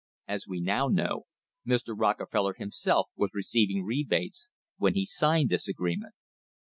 As we now know, Mr. Rockefeller himself was receiving rebates when he signed this agreement.